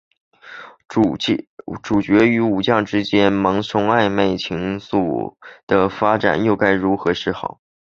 主角与武将之间萌生的暧昧情愫的发展又该如何是好？